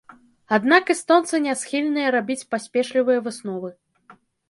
Аднак эстонцы не схільныя рабіць паспешлівыя высновы.